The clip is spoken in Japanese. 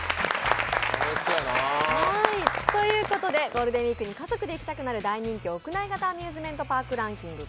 ゴールデンウイークに家族で行きたくなる大人気屋内型アミューズメントパークランキング